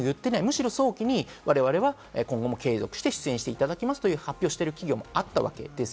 むしろ早期に我々は今後も継続して出演していただきますと発表している企業もあったわけです。